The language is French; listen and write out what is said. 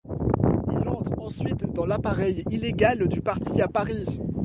Il entre ensuite dans l'appareil illégal du parti à Paris.